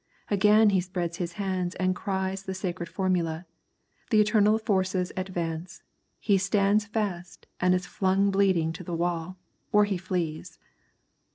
Again he spreads his hands and cries the sacred formula, the eternal forces advance, he stands fast and is flung bleeding to the wall, or he flees.